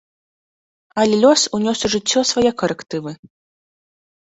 Але лёс унёс у жыццё свае карэктывы.